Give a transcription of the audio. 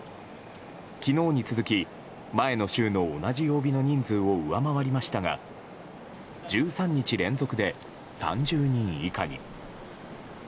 昨日に続き前の週の同じ曜日の人数を上回りましたが１３日連続で３０人以下に。